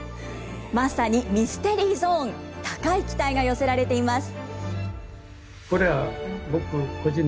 まさにミステリーゾーン、高い期待が寄せられています。